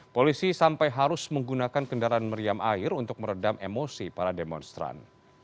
polisi sampai harus menggunakan kendaraan meriam air untuk meredam emosi para demonstran